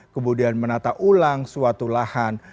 kemudian menata ulang suatu lahan